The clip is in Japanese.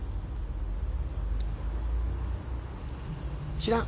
知らん。